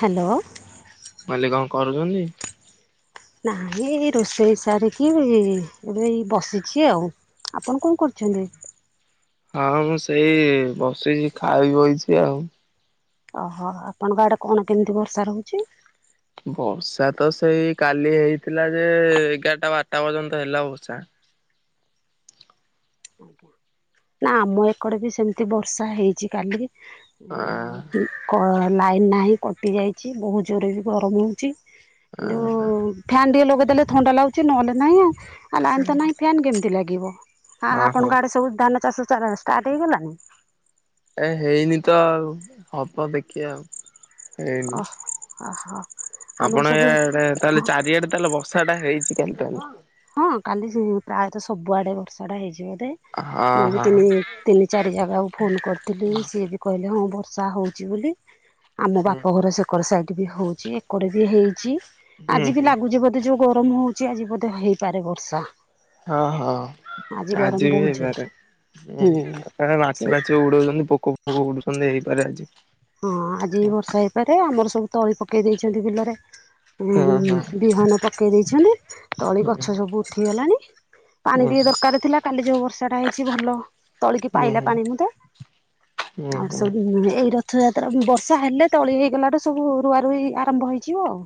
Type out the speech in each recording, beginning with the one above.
Hello. ମୁଁ କହିଲି କଣ କରୁଛନ୍ତି? ନାଇଁ ଏ ରୋଷେଇ ସାରିକି ଏବେ ଏଇ ବସିଛି ଆଉ ଆପଣ କଣ କରୁ ହଁ ମୁଁ ସେଇ ବସିଛି ଖାଇ ବଇଚି ଆଉ। ଓହୋ ଆପଣଙ୍କ ଆଡେ କଣ କେମିତି ବର୍ଷା ରହୁଚି। ବର୍ଷା ତ ସେଇ କାଲି ହେଇଥିଲା ଯେ ଏଗାରଟା ବାରଟା ପର୍ଯ୍ୟନ୍ତ ହେଲା ବର୍ଷା। ନା ଆମ ଏକଡେ ବି ସେମିତି ବର୍ଷା ହେଇଛି କାଲି ଆ ଏମିତି ଲାଇନ ନାହିଁ କଟି ଯାଇଛି ବହୁତ ଜୋରେ ବି ଗରମ ହେଉଛି। କିନ୍ତୁ ଫ୍ୟାନ୍ ଟିକେ ଲଗେଇଦେଲେ ଥଣ୍ଡା ଲାଗୁଛି ନହେଲେ ନାଇଁ ଆଉ। ଆ ଲାଇନ୍ ତ ନାହିଁ ଫ୍ୟାନ୍ କେମିତି ଲାଗିବ? ଆ ହଁ ହଁ ଆପଣଙ୍କ ଆଡ଼େ ସବୁ ଧାନ ଚାଷ ଷ୍ଟାର୍ଟ ହେଇଗଲାନି? ଏ ହେଇନି ତ ଆଉ ହବ ଦେଖିବା ଆଉ। ହେଇନି ଓ, ଓହୋ। ଆମର ଆପଣ ସବୁ ଇଆଡେ ତାହେଲେ ଚାରିଆଡେ ତାହେଲେ ବର୍ଷା ଟା ହେଇଛି କାଲି ତାହେଲେ? ହଁ କାଲି ସେ ପ୍ରାୟତଃ ସବୁଆଡେ ବର୍ଷା ଟା ହେଇଚି ବୋଧେ। ହଁ ମୁଁ ବି ହଁ ତିନି, ତିନି ଚାରି ଜାଗାକୁ ଫୋନ୍ କରିଥିଲି ସିଏ ବି କହିଲେ ହଁ ବର୍ଷା ହଉଛି ବୋଲି। ଆମ ହୁଁ ବାପ ଘର ସେ ଏକର ସାଇଡ୍ ବି ହୋଉଛି ଏକଡେ ବି ହେଇଛି। ହୁଁ ଆଜି ବି ହୁଁ ଲାଗୁଛି ବୋ ତି ଯୋଉ ଗରମ ହୋଉଛି ଆଜି ବୋଧେ ହେଇପାରେ ବର୍ଷା। ହଁ ହଁ, ଗରମ ଆଜି ବି ବହୁତ ଜୋର ହେଇପାରେ। ହୁଁ ମାଛି ବାଛି ସେ ଉଡଉଛନ୍ତି, ପୋକ ଫୋକ ଉଡୁଛନ୍ତି ହେଇପାରେ ଆଜି। ହଁ ଆଜି ବି ହୁଁ ବର୍ଷା ହେଇପାରେ ଆମର ସବୁ ତଳି ପକେଇ ଦେଇଛନ୍ତି ବିଲରେ। ଉ ହୁଁ ବିହନ ପକେଇ ଦେଇଛନ୍ତି। ତଳି ହୁଁ ଗଛ ସବୁ ଉଠିଗଲାଣି। ପାଣି ହୁଁ। ଟିକେ ଦରକାର ଥିଲା। କାଲି ଯୋଉ ବର୍ଷା ଟା ହେଇଛି ଭଲ ତଳିକି ହୁଁ ପାଇଲା ହୁଁ ପାଣି ମୁଦେ। ହୁଁ ଆଉ ହୁଁ ସବୁ ଏଇରା ରଥଯାତ୍ରା ବର୍ଷା ହେଲେ ତଳି ହେଇଗଲାଠୁ ସବୁ ରୁଆ ରୁଇ ଆରମ୍ଭ ହେଇଯିବ ଆଉ।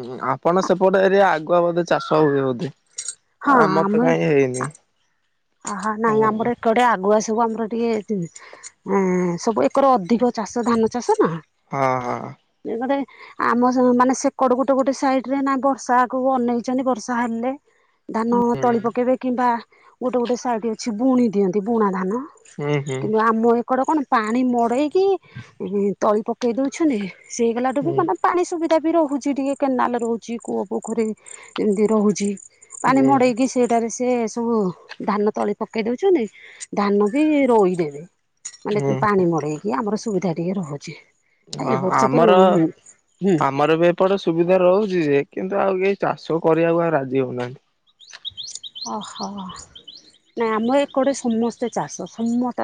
ହଁ ଆପଣ ସେପଟେ ଏରିଆ ଆଗୁଆ ବୋଧେ ଚାଷ ହୁଏ ବୋଧେ? ହଁ ଆମର ତ କାହିଁ ହେଇନି। ଆହା, ହଁ ନାଇଁ ଆମର ଏଆଡେ ଆଗୁଆ ସବୁ ଆମର ଟିକେ ଆ-ସବୁ ଆଙ୍କର ଅଧିକ ଚାଷ ଧାନ ଚାଷ ନା, ହଁ ହଁ ଏକରେ ଆମ ସେ ମାନେ ସେକଡୁ ଗୋଟେ ଗୋଟେ, ସାଇଡ୍ ରେ ନା ବର୍ଷାକୁ ଅନେଇଛନ୍ତି ବର୍ଷା ହେଲେ ଧାନ ତଳି ପକେଇବେ କିମ୍ବା ଗୋଟେ ଗୋଟେ ସାଇଡ୍ ଅଛି ବୁଣି ଦିଅନ୍ତି। ବୁଣା ଧାନ ହୁଁ ହୁଁ କିନ୍ତୁ ହୁଁ। ଆମ ଏପ ଏକଡ କଣ, ପାଣି ମଡେଇକି ତଳି ପକେଇ ଦଉଛନ୍ତି। ସେଇଗଲାଠୁ ବି କଣ ପାଣି ସୁବିଧା ବି ରହୁଛି ଟିକେ। କେନାଲ୍ ରହୁଛି, କୂଅ ପୋଖରୀ ଏମିତି ରହୁଛି। ପାଣି ହୁଁ ମଡେଇକି ସେଟାରେ ସେ ସବୁ ଧାନ ତଳି ପକେଇ ଦଉଛନ୍ତି। ଧାନ ବି ରୋଇଦେବେ, ମାନେ ହୁଁ ପାଣି ମଡ଼େଇି କି ଆମର ସୁବିଧା ଟିକିଏ ରହୁଛି। ହ ଏଇ ବର୍ଷ ତ ଆମର, ହୁଁ ଆମର ବି ଏପଟ ସୁବିଧା ରହୁଛି ଯେ, କିନ୍ତୁ ଆଉ କେହି ଚାଷ କରିବାକୁ ଆଉ ରାଜି ହେଉନାହାନ୍ତି। ଓହୋ। ନାଇଁ ଆମ ଏକଡ଼େ ସମସ୍ତେ ଚାଷ। ସମସ୍ତେ ତ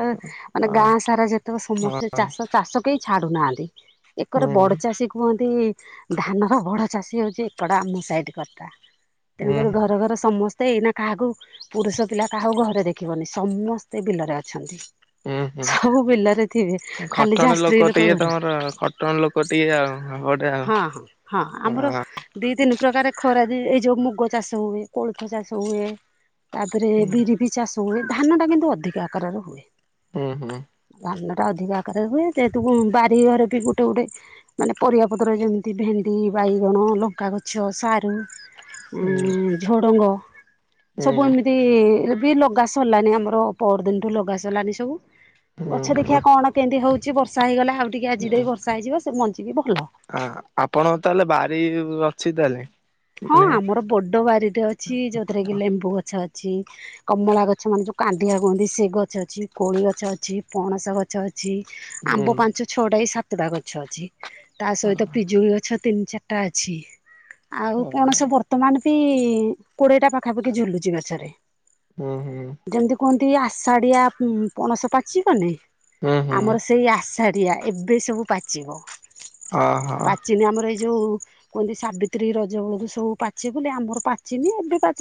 ମାନେ ହଁ ଗାଁ ସାରା ଯେତେବେଳେ ହଁ ସମସ୍ତେ ଚାଷ ଚାଷ କେହି ଛାଡ଼ୁନାହାଁନ୍ତି। ହୁଁ ଏକର ବଡ ହୁଁ। ଚାଷୀ କୁହନ୍ତି ଧାନର ବୋଡ ଚାଷୀ ହୋଉଛି ଏକଡ ଆମ ସାଇଡ୍ ଘର ଟା। ତେଣୁକରି ଘରେ ଘରେ ସମ ଏଇନା କାହାକୁ ପୁରୁଷ ପିଲା କାହାକୁ ଘରେ ଦେଖିବନି, ସମସ୍ତେ ବିଲରେ ଅଛନ୍ତି। ହୁଁ ହୁଁ ସବୁ ବିଲରେ ଥିବେ। ଖାଲି ଖଟଣ ଯାହା ସ୍ତ୍ରୀ ଲୋକ ଟିକେ ଘରେ। ତମର ଖଟଣ ଲୋକ ଟିକେ ଆଉ ଗୋଟେ ଆଉ। ହଁ, ହଁ ଆମର ଦିଇ ତିନି ପ୍ରକାର ଖରା ଯେ ଏଇ ଯୋଉ ମୁଗ ଚାଷ ହୁଏ, କୋଳଥ ଚାଷ ହୁଏ ତା ଦେହେରେ ବିରି ବି ଚାଷ ହୁଏ ଧାନ ଟା କିନ୍ତୁ ଅଧିକ ଆକାରରେ ହୁଏ। ହୁଁ, ହୁଁ। ଧାନ ଟା ଅଧିକା ଆକାରରେ ହୁଏ। ଯେହେତୁ ବାରିଘରେ ବି ଗୋଟେ ଗୋଟେ ମାନେ ପରିବା ପତ୍ର ଯେମିତି ଭେଣ୍ଡି, ବାଇଗଣ, ଲଙ୍କା ଗଛ, ସାରୁ ହୁଁ ଉଁ ଝୁଡଙ୍ଗ ହୁଁ ହୁଁ ସବୁ ଏମି ବି ବି ଲଗା ସରିଲାନି ଆମର ପହର ଦିନଠୁ ଲଗା ସଲାଣି ସବୁ। ହୁଁ ଗଛ ହୁଁ ଦେଖିବା ହୁଁ। କଣ କେମିତି ହଉଛି ବର୍ଷା ହେଇଗଲା ଆଉ ଟିକେ ଆଜି ଦେଇ ବର୍ଷା ହେଇଯିବ ସେ ମଞ୍ଚିବି ଭଲ। ଆ ଆପଣ ତାହେଲେ ବାରି ଅଛି ତାହେଲେ? ହଁ ମାନେ ଆମର ବଡ ବାରିଟେ ଅଛି। ଯୋଉଥିରେ କି ଲେମ୍ବୁ ଗଛ ଅଛି। କମଳା ଗଛ ମାନେ ଯୋଉ କାଣ୍ଡିିଆ କୁହନ୍ତି, ସେ ଗଛ ଅଛି, କୋଳି ଗଛ ଅଛି, ପଣସ ଗଛ ଅଛି। ହୁଁ ଆମ୍ବ ପାଞ୍ଚ ଛଟା କି ସାତଟା ଗଛ ଅଛି। ତା ସହିତ ପିଜୁଳି ଗଛ ତିନି ଚାରିଟା ଅଛି ଆଉ ହୁଁ ପଣସ ବର୍ତ୍ତ। ତ ମାନ ବି କୋଡେଇଟା ପାଖାପାଖି ଝୁଲୁଚି ଗଛରେ। ହୁଁ ଯେମିତି କୁହନ୍ତି ଆଷାଢଡିଆ ପଣସ ପାଚ କନି ହୁଁ ଆମର ସେଇ। ପାଡ଼ିଆ ଏବେ ସବୁ ପାଚିବ ଅହ ପାଚିନି ଆମର ଏଇ ଯେଉ। କି ସାବିତ୍ରୀ ର। ଯେଳୁ ସବୁ ପାଚ ବୋଲି ଆମର ପାଚିନି ଏବେ ପାଚ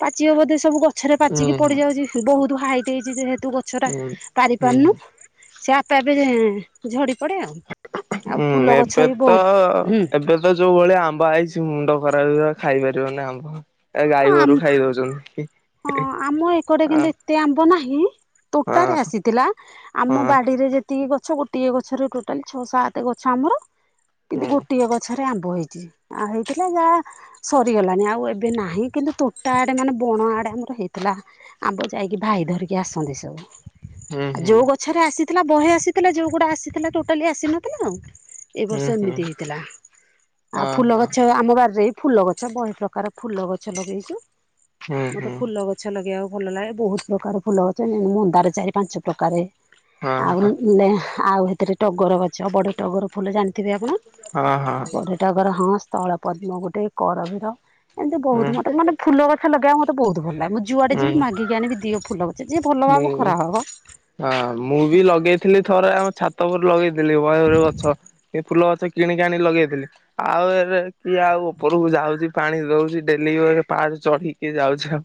ପାଚିବ ବୋଧେ ସବୁ ଗଛ। ଗଛରେ ହୁଁ ପାଚିକି ପଡି ହୁଁ ଯାଉଛି ବହୁତ ହାଇଟ୍ ହେଇଛି ଯେହେତୁ ଗଛ ଟା ହୁଁ। ପାରି ହୁଁ ପାରୁନୁ। ସେପେ ଏବେ ଝଡି ପଡେ ଆଉ। ଆଉ ହୁଁ ଫୁଲ ଗଛ ଏବେ ବି ତ ବହୁତ ହୁଁ ଏବେ। ଯୋଉ ଭଳିଆ ଆମ୍ବ ହେଇଛି ମୁଣ୍ଡ ଖରାଇ ଖାଇପାରିବନି ଆମ୍ବ। ଗାଈ ଆମ ଗୋରୁ ଖାଇଦଉଛନ୍ତିୁ। ହଁ ଆମ ଏକଟେ କିନ୍ତୁ ଏତେ ଆମ୍ବ ନାହିଁ। ତୋଟାରେ ହଁ ଆସିଥିଲା ଆମ ହଁ ବାଡ଼ିରେ ଯେ ତିକି ଗଛ ଗୋଟିଏ ଗଛରେ ଟୋଟାଲ ଛଅ ସାତ ଗଛ ଆମର କିନ୍ତୁ ହୁଁ ଗୋଟିଏ ଗ ଛରେ ଆମ୍ବ ହୋଇଛି। ଆଉ ହେଇଥିଲା ଯାହା ସରିଗଲାଣି ଆଉ ଏବେ ନାହିଁ କିନ୍ତୁ ତୋଟା ଆଡେ ମାନେ ବଣ ଆଡେ। ଆମର ହେଇଥିଲା ଆମ୍ବ ଯାଇକି ଭାଇ ଧରିକି ଆସନ୍ତି ସବୁ। ହୁଁ ହୁଁ। ପ ଛରେ ଆସିଥିଲା ବହେ ଆସିଥିଲା ଯଉଗୁଡା ଆସିଥିଲା ଟୋଟାଲି ଆସିନଥିଲା ଆଉ। ଏ ହୁଁ ବର୍ଷ ହୁଁ ଏମିତି ହେଇଥିଲା ଆଉ ହଁ ଫୁଲ ହଁ ଗଛ ଆମ ବାରିରେ। ଫୁଲ ଗଛ ବହୁ ପ୍ରକାର ଫୁଲ ଗଛ ଲଗେଇଛୁ। ହୁଁ ମତେ ହୁଁ। ଫୁଲ ଗଛ ଲଗେଇବାକୁ ଭଲ ଲାଗେ ବହୁତ ପ୍ରକାର ଫୁଲ ଗଛ ମ ମନ୍ଦାରେ ଚାରି ପାଞ୍ଚ ପ୍ରକାର। ହଁ ହଁ ଆଉଲେ ଆଉ। ଏଥିରେ ଟଗର ଗଛ ଆଉ ବଡ ଟଗର ଫୁଲ ଜାଣିଥିବେ ଆପଣ ହଁ ହଁ। ବଢ଼େ। ଟକର ହଁ ସ୍ଥଳ ପଦ୍ମ ଗୋଟେ କରବୀର ଏମିତି ବହୁତ ମତେ ମାନେ ଫୁଲ ଗଛ ଲଗେଇବା ମତେ ବହୁତ। ଭଲ ଲାଗେ ମୁଁ ହୁଁ ଯୁଆଡେ ହୁଁ ଯିବି ମାଗିକି ଆଣିବି ଦିଅ ଫୁଲ ଗଛ ଯିଏ ଭଲ ଭାବୁ ମୁଁ ଖରାପ ହବ। ହଁ ମୁଁ ବି ଲଗେଇଥିଲି ଥରେ ଆମ ଛାତ ଉପୁର ଲଗେଇଥିଲି ବୟର ଗଛ କି। ଫୁଲ ଗଛ କିଣିକି ଆଣି ଲଗେଇଥିଲି। ଆଉ ଏରେ କିଏ ଆଉ ଉପରକୁ ଯାଉଛି ପାଣି ଦଉଛି ଡେଲି ପା ଚଢିକି ଯାଉଛି ଆଉ।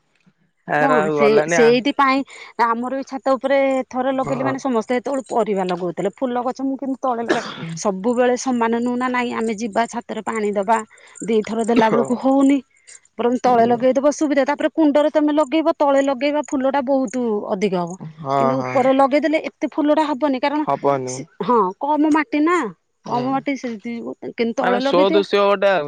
ହଁ ହେରା ଆଉ ସେଇ ଗଲାନି ଆଉ ସେଇ। ପାଇଁ ଆମର ବି ଛାତ ଉପରେ ଥରେ ଲଗେଇଲେ ହଁ। ମାନେ ସମସ୍ତେ ଯେତେବେଳେ ପରିବା ଲଗଉଥିଲେ ଫୁଲ ଗଛ ମୁଁ କିନ୍ତୁ ତଳେ ଲଗାଏ ସବୁବେଳେ ସମାନ ନୁହେଁନା ନାହିଁ ଆମେ ଯିବା ଛାତରେ ପାଣି ଦେବା ଦିଥର ଦେଲା ବେଳକୁ ହଉନି ବରଂ ତଳେ ଲଗେଇଦବ ସୁବିଧା ତାପରେ କୁଣ୍ଡର ତମେ ଲଗେଇବ ତଳେ ଲଗେଇବା ଫୁଲଟା ବହୁତ ଅଧିକ ହବ ହଁ କିନ୍ତୁ ହଁ ଉପରେ ଲଗେଇଦେଲେ ଏତେ ଫୁଲଟା ହବନି କାରଣ ହବନି ସେ ହଁ କମ ମାଟି ନା କମ ହୁଁ ମାଟି ସେମିତି କିନ୍ତୁ ମାନେ ତଳେ ଲଗେଇଦିଅ ସୋଦୃଶ୍ୟ ଗୋଟେ ଆଉ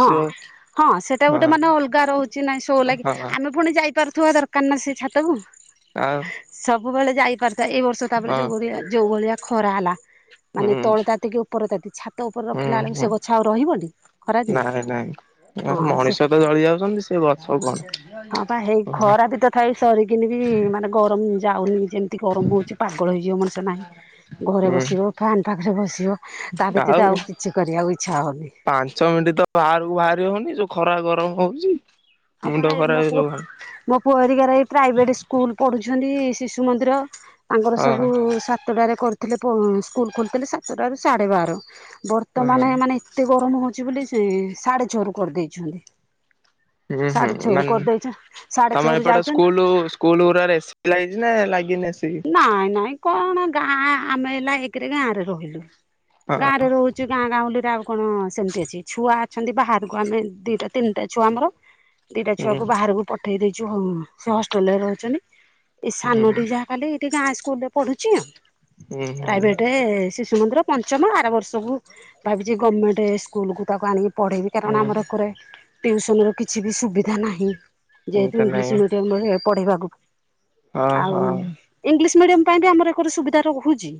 ହଁ ହଁ ସେଇଟା ଗୋଟେ ମାନେ ହଁ ଅଲଗା ରହୁଛି ନାଇଁ ସୋ ଲାଗି ହଁ ଆମେ ପୁଣି ଯାଇପାରୁଥିବା ଦରକାର ନା ସେ ଛାତକୁ ଆଉ ସବୁବେଳେ ଯାଇପାରୁଥିବା ଏଇ ବର୍ଷ ତାପରେ ହଁ ଯୋଉ ଭଳିଆ ଯୋଉ ଭଳିଆ ଖରା ହେଲା ମାନେ ହୁଁ ତଳେ ତାତିକି ଉପର ତାତି ଛାତ ଉପରେ ହୁଁ ରଖିଲା ବେଳକୁ ହୁଁ ସେ ଗଛ ଆଉ ରହିବଟି ଖରାଦିନ ଆ ମଣିଷ ତ ଜଳି ଯାଉଛନ୍ତି ସେ ଗଛ କଣ ହଁ ପା ହେଇ ଖରା ବି ତଥାପି ସରିକିନି ବି ମାନେ ଗରମ ଯାଉନି ଯେମିତି ଗରମ ହଉଛି ପା ପାଗଳ ହେଇଯିବ ମଣିଷ ନାହିଁ ଘରେ ହୁଁ ବସିବ ଫ୍ୟାନ ପାଖରେ ବସିବ ତା ବ୍ୟତୀତ ଆଉ କିଛି କରିବାକୁ ଇଚ୍ଛା ହଉନି ପାଞ୍ଚ ମିନିଟ ତ ବାହାରକୁ ବାହାରି ହଉନି ଯୋଉ ଖରା ଗରମ ହଉଛି ହଁ ପା ମୁଣ୍ଡ ଏ ମୋ ଖରାପ ପୁଅ ହେଇଯିବ ମୋ ପୁଅ ହେରିକାର ଏଇ ପ୍ରାଇଭେଟ୍ ସ୍କୁଲ ପଢ଼ୁଛନ୍ତି ଶିଶୁ ମନ୍ଦିର ତାଙ୍କର ହଁ ସବୁ ସାତଟାରେ କରିଥିଲେ ପର ସ୍କୁଲ ଖୋଲିଥିଲେ ସାତଟା ରୁ ସାଢେ ବାର ତ ମାନେ ହୁଁ ମାନେ ଏତେ ଗରମ ହଉଛି ବୋଲି ସେ ସାଢେ ଛଅରୁ କରିଦେଇଛନ୍ତି ହୁଁ ହୁଁ ସାଢେ ଛଅରୁ ମାନେ କରିଦେଇଛ ସାଢେ ତମ ଛଅରୁ ଏପଟ ଯାଉଛନ୍ତି। ସ୍କୁଲ ସୁ ସ୍କୁଲ ଗୁଡାରେ ଏସିି ଲାଗଛି ନା ଲାଗିିନି ଏସି। ନାଇଁ ନାଇଁ କଣ ଗାଁ ଆମେ ହେଲା ଏକେରେ ଗାଁରେ ରହିଲୁ। ହଁ ଗାଁ ରେ ରହୁଛି ଗାଁ ଗାଁଉଁଲିରେ ଆଉ। କଣ ସେମିତି ଅଛି ଛୁଆ ଅଛନ୍ତି ବାହାରକୁ ଆମେ ଦିଟା ତିନିଟା ଛୁଆ ଆମର। ଦିଟା ହୁଁ ଛୁଆକୁ ବାହାରକୁ ପଠେଇ ଦେଇଛୁ ହୁଁ ସେ ହଷ୍ଟେଲ ରେ ରହୁଛନ୍ତି ଏଇ ହୁଁ ସାନଟି ଯାହା। ଖାଲି ଏଠି ଗାଁ ସ୍କୁଲରେ ପଢୁଛି ହୁଁ ହୁଁ ପ୍ରାଇଭେଟ ସି ମନ୍ଦିର ପଞ୍ଚମ ଆର ବର୍ଷକୁ ଭାବିଛି ଗମେଣ୍ଟ ସ୍କୁଲକୁ ତାକୁ ଆଣିଗି ପଢ଼େଇବି କାରଣ ହୁଁ। ଆମର ଏକରେ ଟିଉସନ ର କିଛିବି ସୁବିଧା ନାହିଁ। ଯେହେତୁ ଏମିତି ଇଂଲିଶ ନାଇଁ ମିଡିୟମରେ ପଢେଇବାକୁ ହଁ ଆଉ। ହଁ ଇଂଲିଶ ମିଡିୟମ ପାଇଁ ବି ଆମର ଏକରେ ସୁବିଧା ରହୁଛି।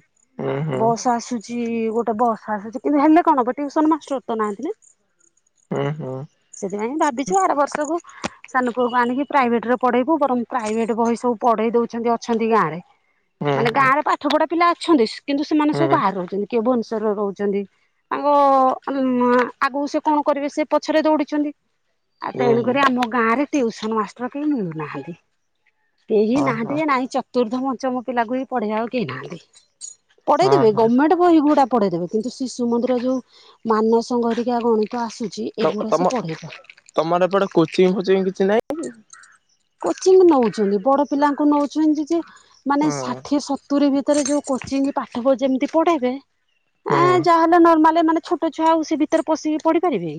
ହୁଁ ହୁଁ ବସ ଆସୁଛି ଗୋଟେ ବସ ଆସୁଛି କିନ୍ତୁ ହେଲେ କଣ ହବ ଟ୍ୟୁସନ ମାଷ୍ଟର ତ ନାହାଁନ୍ତି ନା। ଉଁ ହୁଁ। ସେଥିପାଇଁ ଭାବିଛୁ ଆର ବର୍ଷକୁ। ସାନ ପୁଅକୁ ଆଣିକି ପ୍ରାଇଭେଟ ରେ ପଢେଇବୁ ବରଂ ପ୍ରାଇଭେଟ ବହି ସବୁ ପଢେଇ ଦଉଛନ୍ତି ଅଛ ଛନ୍ତି ଗାଁରେ ହୁଁ ମାନେ ହୁଁ। ଗାଁରେ ପାଠ ପଢା। ପିଲା ଅଛନ୍ତି କିନ୍ତୁ ସେମାନେ ସବୁ ହୁଁ ବାହାରେ ରହୁଛନ୍ତି କିଏ ଭବନେଶ୍ୱରରେ ରହୁଛନ୍ତି। ତାଙ୍କ ଆଗକୁ ସେ କଣ କରିବେ ସେ ପଛରେ ଦୌଡିଛନ୍ତି। ଆଉ ହୁଁ ତେଣୁ ହୁଁ କରି ଆମ ଗାଁ ରେ ଟିଉସନ ମାଷ୍ଟର କେହି ମିଳୁନାହାନ୍ତି। କେହି ହଁ ନାହାନ୍ତି ହଁ ଯେ ନାଇଁ ଚତୁର୍ଥ ପଞ୍ଚମ ପିଲାକୁବି ପଢେଇବାକୁ କେହି ନାହାନ୍ତି। ପଢେଇ ହଁ ଦେବେ ହଁ ଗମେଣ୍ଟ। ବହିଗୁଡ଼ା ପଢେଇଦେବେ କିନ୍ତୁ ଶିଶୁ ମନ୍ଦିର ଯୋଉ ମାନସଘରିକା ଗଣିତ ଆସୁଚି। ତମ ତମ ତମର ଏପଟେ କୋଚିଂ ଫୋଚିଂ କିଛି ନାହିଁ? କୋଚିଂ ନଉଛନ୍ତି ବଡ ପିଲାଙ୍କୁ ନଉଛନ୍ତି ଯେ ମାନେ ହଁ ଷାଠିଏ ସତୁ ସତୁରି ଭିତରେ ଯୋଉ କୋଚିଂ ପାଠବି ଯେମିତି ପଢେଇ ବେ ଆ ହୁଁ ଯାହାହଲେ ନର୍ମାଲି ମାନେ। ଛୋଟ ଛୁଆ ଆଉ ସେ ଭିତରେ ପଶିକି ପଢିପାରିବେ।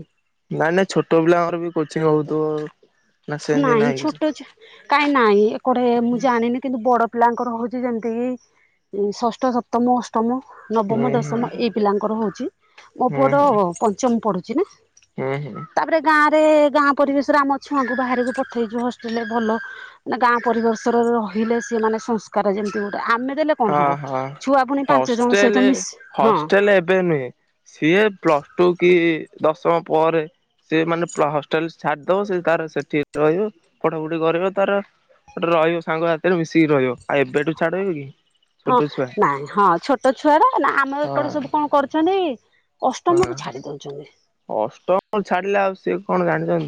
ନାଇଁ ନାଇଁ ଛୋଟ ପିଲାଙ୍କର ବି କୋଚିଂ ହଉଥିବ। ନା ସେମିତି ନାହିଁ କିଛି? ଛୋଟ ଛୁଆ କାଇଁ ନାଇଁ ଏପଟେ ମୁଁ ଜାଣିନି କିନ୍ତୁ ବଡ ପିଲାଙ୍କର ହଉଛି ଯେମିତିକି। ଷଷ୍ଠ ସପ୍ତମ ଅଷ୍ଟ ମ ହୁଁ ନବମ ହୁଁ ଦଶମ ଏଇ ପିଲାଙ୍କର ହଉଛି ମୋ ହୁଁ ପୁଅତ ହୁଁ ପଞ୍ଚମ ପଢ଼ୁଛି ନା। ହୁଁ ହୁଁ। ତାପରେ ଗାଁରେ ଗାଁ ପରିବେଶରେ ଆମ ଛୁଆଙ୍କୁ ବାହାରକୁ ପଠେଇଛୁ ହଷ୍ଟେଲରେ ଭଲ। ମାନେ ଗାଁ ପରିବର୍ଷରେ ରହିଲେ ସିଏ ମାନେ ସଂସ୍କାର ଯେମିତି ଗୋଟେ ଆମେ ଦେଲେ। କଣ ହଁ ହବ ହଁ ଛୁଆ ପୁଣି ପାଞ୍ଚ ଜଣ ସହିତ ହଷ୍ଟେଲ ମିଶି ହଁ ହଷ୍ଟେଲ ଏବେ ନୁହେଁ। ସିଏ ପ୍ଲସ ଟୁ କି ଦଶମ ପରେ। ସେ ମାନେ ହଷ୍ଟେଲ ଛାଡିଦବ ସେ ତାର ସେଠି ରହିବ ପଢା ପୁଢ଼ି କରିବ ତାର। ଗୋଟେ ରହିବ ସାଙ୍ଗ ସାଥିରେ ମିଶିକି ରହିବ ଆଉ ଏବେଠୁ ଛାଡହବ କି। ହଁ ଛୋଟ ଛୁଆ ନାଇଁ ହଁ ଛୋଟ ଛୁଆର ନା ଆମର ହଁ ଏକଡେ ସବୁ କଣ କରୁଛନ୍ତି। ହଁ। ଅଷ୍ଟମରୁ ଛାଡି ଦଉଛନ୍ତି। ଅଷ୍ଟମ ଛାଡିଲେ ଆଉ ସିଏ କଣ ଜାଣିଛନ୍ତି।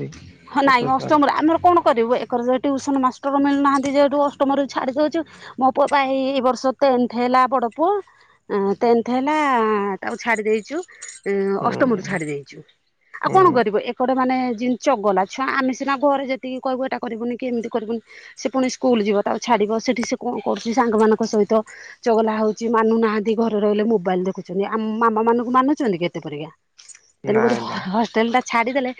ହଁ ଛୋଟ ନାଇଁ ଛୁଆ ଟା ଅଷ୍ଟମରେ ଆମର କଣ କରିବୁ ଏକର ଯେ ଟ୍ୟୁସନ ମାଷ୍ଟର ମିଳୁନାହାନ୍ତି ଯେହଠୁ ଅଷ୍ଟମରୁ ଛାଡି ଦଉଛୁ। ମୋ ପୁଅ ବା ଏଇ ଏଇ ବର୍ଷ ତ ଟେନ୍ଥ ହେଲା ବଡ ପୁଅ। ଟେନ୍ଥ ହେଲା ତାକୁ ଛାଡି ଦେଇଛୁ। ଅଷ୍ଟମରୁୁ ହୁଁ। ଛାଡି ଦେଇଛୁ ଆଉ ହୁଁ କଣ କରିବ ଏକଟେ ମାନେ ଯି ଚଗଲା ଛୁଆ ଆମେ ସିନା ଘରେ ଯେତିକି କହିବୁ ଏଟା କରିବୁନି କି ଏମିତି କରିବୁନି। ସେ ପୁଣି ସ୍କୁଲ ଯିବ ତାକୁ ଛାଡିବ ସେଠି ସେ କଣ କରୁଛି ସାଙ୍ଗମାନଙ୍କ ସହିତ। ଚଗଲା ହଉଛି ମାନୁନାହାନ୍ତି ଘରେ ରହିଲେ ମୋବାଇଲ ଦେଖୁଛନ୍ତି ଆ ମାମା ମାନଙ୍କୁ ମାନୁଛନ୍ତି ଏତେ ପରିକା। ତେଣୁ କରି ନାଇଁ ହ ନାଇଁ ହଷ୍ଟେଲ ଟା ଛାଡିଦେଲେ।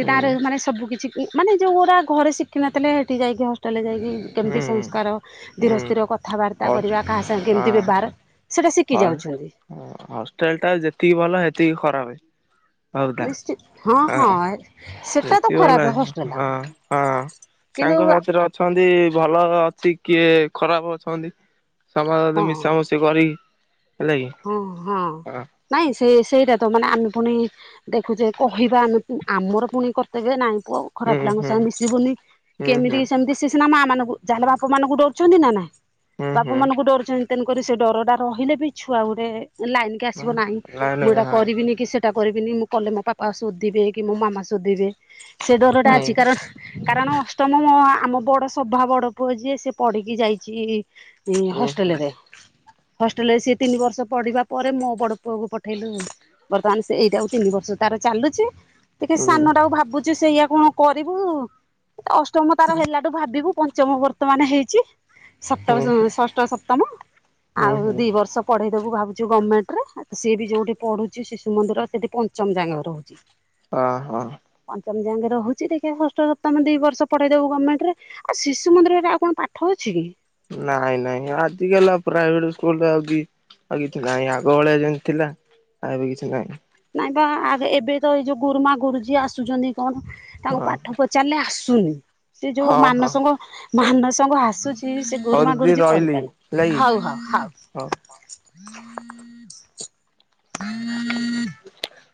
ହୁଁ ତାରେ ମାନେ ସବୁକଛି ମାନେ ଯେଉଁଗୁଡ଼ା ଘରେ ଶିଖିନଥିଲେ ହେଟି ଯାଇକି ହଷ୍ଟେଲରେ ଯାଇକି କେମିତି ହୁଁ ସଂସ୍କାର ହୁଁ ଧୀର ସ୍ଥିର କଥାବାର୍ତ୍ତା ହଉ କରିବା କାହା ସାଙ୍ଗେ କେମିତି ବ୍ୟବହାର ସେଟା ଶିକି ଯାଉଛନ୍ତି। ଉ ହଷ୍ଟେଲଟା ଯେତିକି ଭଲ ହେତିକି ଖରାପେ। ହଉତା ହଁ ସେଟା ତ ଯେତିକି ଖରାପ ଭଲ ହଷ୍ଟେଲ ହେ ହଁ ହଁ। ସାଙ୍ଗ କିନ୍ତୁ ହତିର ଅଛନ୍ତି ଭଲ ଅଛି କିଏ ଖରାପ୍ ଅଛନ୍ତି ହଁ ସମସ୍ତେ ମିଶାମଶି କରିକି ହଁ ହଁ ନାଇଁ ସେ ସେଇରାତ ମାନେ ଆମେ ଫୁଣି ଦେଖୁଛେ କହିବା ଆମେ ଆମର ପୁଣି କର୍ତବ୍ୟ ନାଇଁ ପୁଅ ଖରାପ୍ ହୁଁ ପିଲାଙ୍କ ହୁଁ। ସାଙ୍ଗ ମିଶିବୁନି ହୁଁ କି ହୁଁ ଏମିତିକି ସେମିତି ସିଏ ସିନା ମା ମାନଙ୍କୁ ଯାହାେଲେ ବାପା ମାନଙ୍କୁ ଡରଛନ୍ତିନା ନାଇଁ। ହୁଁ ବାପା ହୁଁ ମାନଙ୍କୁ ଡରୁଛନ୍ତି ତେଣୁକରି ସେଡରଟା ରହିଲେବି ଛୁଆ ଗୋଟେ ଲାଇନ୍ କି ଆସିବ ନାହିଁ ଲାଇନ ମୁଁ ଏଇଟା ହଁ କରିବିନି କିସେ ସେଟା କରିବିନି ମୁଁକଲେ ମୋ ପାପା ଶୋଦିବେକି ମୋ ମାମା ଶୋଦିବେ ସେ ଡରଟା ହୁଁ ଅଛି କାରଣ କାରଣ ଅଷ୍ଟମ ମୋ ଆମ ବଡ଼ ସଭା ବଡ଼ ପୁଅଯିଏ ସେପଢିକି ଯାଇଚି ହୁଁ ହୁଁ। ହଷ୍ଟେଲରେ। ହଷ୍ଟେଲରେ ସିଏ ତିନି ବର୍ଷ ପଢିବା ପରେ ମୋବଡ଼ ପୁଅକୁ ପଠେଇଲୁ ବର୍ତ୍ତମାନସେ ଏଇଟାକୁ ତିନି ବର୍ଷ ତାର ଚାଲୁଚି ଟିକେ ହୁଁ ସାନ ଟାକୁ ଭାବୁଚୁ ସେଇଆ କଣ କରିବୁ ଅଷ୍ଟମ ତାର ହେଲାଠୁ ଭାବିବୁ ପଞ୍ଚମ ବର୍ତ୍ତମାନେ ହେଇଚି ହୁଁ ସପ୍ତମ ଷଷ୍ଠ ସପ୍ତମ ହୁଁ ଆଉ ହୁଁ ଦିବର୍ଷ ପଢେଇଦବୁ ଭାବୁଚୁ ଗଭର୍ଣ୍ଣମେଣ୍ଟରେ ଆ ସିଏବି ଯୋଉଠି ପଢୁଛି ଶିଶୁ ମନ୍ଦିର ସେଠି ପଞ୍ଚମ ଜାଙ୍ଗ ରହୁଚି। ଅଁ ହଁ। ପଞ୍ଚମ ଯାଙ୍ଗେ ରହୁଚି ଦେଖିଆ ଷଷ୍ଠ ସପ୍ତମ ଦିବର୍ଷ ପଢେଇ ଦବୁ ଗର୍ଣ୍ଣମେଣ୍ଟରେ ଆଉ ଶିଶୁ ମନ୍ଦିରରେ ଆଉ କଣ ପାଠ ଅଛିକି। ନାଇଁ ନାଇଁ ଆଜିକାଲି ପ୍ରାଇଭେଟ ସ୍କୁଲରେ ଆଉବି ଆଉ କିଛି ନାହିଁ ଆଗ ଭଳିଆ ଯେମତି ଥିଲା ଆଉଏବେ କିଛି ନାହିଁ। ନାଇଁବା ଆଗେ ଏବେତ ଏଇଯୋଉ ଗୁରୁମା ଗୁରୁଜୀ ଆସୁଛନ୍ତି କଣ ତାଙ୍କୁ ହଁ। ପାଠ ପ ଚାରିଲେ ଆସୁନି। ସେ ଯୋଉ ହଁ ହଁ ମାନସଙ୍କ ମାନସଙ୍କ ଆସୁଛି ହଉ ସେଗୁରୁମା ଦିଦି ଗୁରୁଜୀ କରିପାରୁନି। ହଉ ହଉ ହଉ। ହୋଉ। [inaudible]